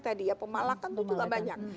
tadi ya pemalakan itu juga banyak